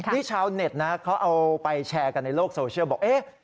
ที่ชาวเน็ตเขาเอาไปแชร์กันในโลกโซเชียลบอก